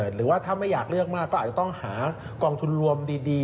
หรือว่าถ้าไม่อยากเลือกมากก็อาจจะต้องหากองทุนรวมดี